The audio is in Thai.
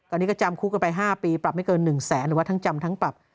ตอนนี้ก็จำคุกกันไป๕ปีปรับไม่เกิน๑แสนหรือว่าทั้งจำทั้งปรับ